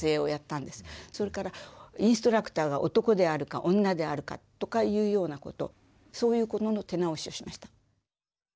それからインストラクターが男であるか女であるかとかいうようなことそういうことの手直しをしました。